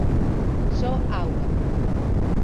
Só auga.